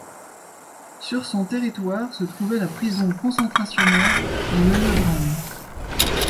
Sur son territoire se trouvait la prison concentrationnaire de Neue Bremm.